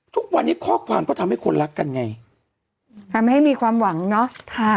ทุกวันนี้ข้อความก็ทำให้คนรักกันไงทำให้มีความหวังเนอะค่ะ